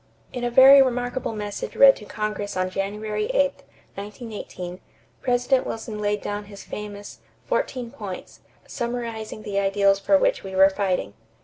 In a very remarkable message read to Congress on January 8, 1918, President Wilson laid down his famous "fourteen points" summarizing the ideals for which we were fighting.